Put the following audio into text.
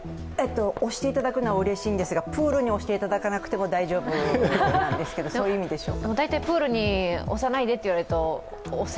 押していただくのはうれしいんですがプールに押していただかなくても大丈夫ですけど、そういう意味でしょうか。